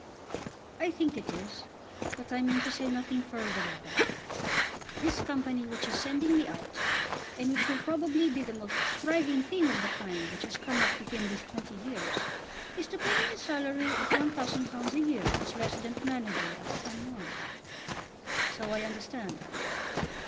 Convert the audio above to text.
"I think it is, but I mean to say nothing further of that. This Company which is sending me out, and which will probably be the most thriving thing of the kind which has come up within these twenty years, is to pay me a salary of £1000 a year as resident manager at San Juan." "So I understand."